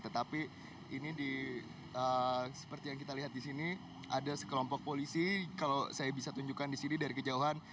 tetapi ini seperti yang kita lihat di sini ada sekelompok polisi kalau saya bisa tunjukkan di sini dari kejauhan